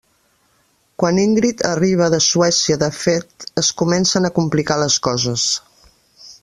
Quan Ingrid arriba de Suècia de fet es comencen a complicar les coses.